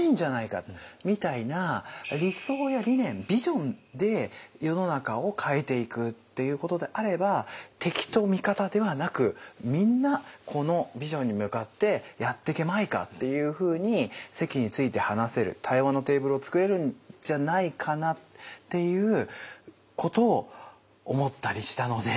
みたいな理想や理念ビジョンで世の中を変えていくっていうことであれば敵と味方ではなくみんなこのビジョンに向かってやってけまいかっていうふうに席について話せる対話のテーブルを作れるんじゃないかなっていうことを思ったりしたので。